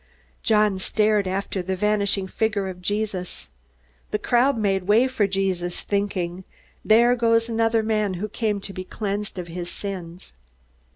John stared after the vanishing figure of Jesus. The crowd made way for Jesus, thinking, _There goes another man who came to be cleansed of his sins.